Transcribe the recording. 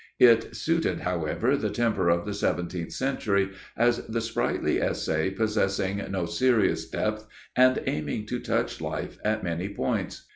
It suited, however, the temper of the seventeenth century, as the sprightly essay possessing no serious depth and aiming to touch life at many points.